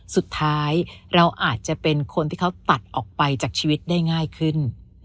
สุดท้ายเราอาจจะเป็นคนที่เขาตัดออกไปจากชีวิตได้ง่ายขึ้น